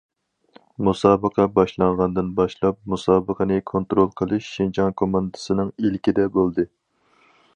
مۇسابىقە باشلانغاندىن باشلاپ، مۇسابىقىنى كونترول قىلىش شىنجاڭ كوماندىسىنىڭ ئىلكىدە بولدى.